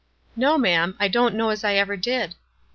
"No, ma'am, I don't know as I ever did."